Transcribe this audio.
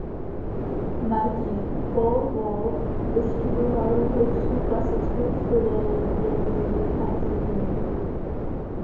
Martin Paul Wolf vystudoval v Lipsku klasickou filologii a dějiny.